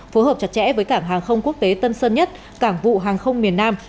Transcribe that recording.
phối hợp chặt chẽ với cảng hàng không quốc tế tân sơn nhất cảng vụ hàng không miền nam